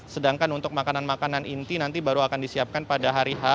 sedangkan untuk makanan makanan inti nanti baru akan disiapkan pada hari h